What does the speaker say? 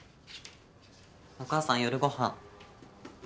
お母さん夜ご飯。